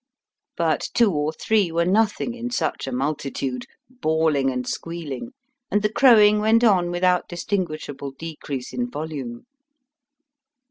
But two or th):ee were nothing in such a multitude, bawling and squealing, and the crowing went on without distinguish able decrease in volume.